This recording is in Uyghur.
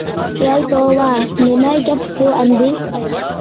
ۋاي توۋا، نېمە گەپ بۇ ئەمدى؟